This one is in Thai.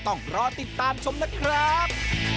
ต้องรอติดตามชมนะครับ